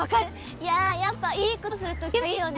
いやぁやっぱいいことすると気分がいいよね。